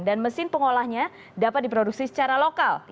dan mesin pengolahnya dapat diproduksi secara lokal